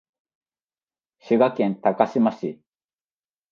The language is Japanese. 滋賀県高島市